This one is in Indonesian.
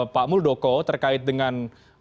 pak muldoko terkait dengan